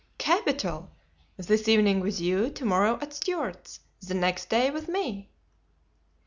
"Capital! This evening with you, to morrow at Stuart's, the next day with me."